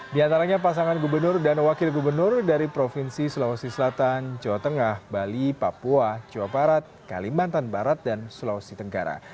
di antaranya pasangan gubernur dan wakil gubernur dari provinsi sulawesi selatan jawa tengah bali papua jawa barat kalimantan barat dan sulawesi tenggara